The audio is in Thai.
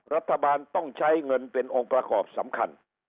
รัฐบาลต้องใช้เงินเป็นองค์ประกอบสำคัญ